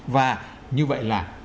và như vậy là